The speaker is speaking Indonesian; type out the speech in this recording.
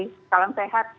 terima kasih selamat pagi